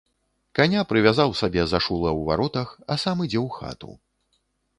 Каня прывязаў сабе за шула ў варотах, а сам ідзе ў хату.